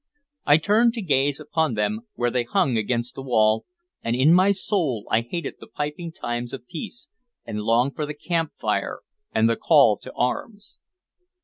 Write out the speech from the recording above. I turned to gaze upon them where they hung against the wall, and in my soul I hated the piping times of peace, and longed for the camp fire and the call to arms.